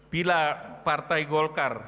bila partai golkar